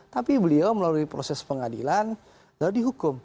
tapi beliau melalui proses pengadilan lalu dihukum